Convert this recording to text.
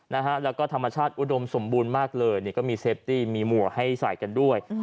นะฮะแล้วก็ธรรมชาติอุดมสมบูรณ์มากเลยนี่ก็มีเซฟตี้มีหมวกให้ใส่กันด้วย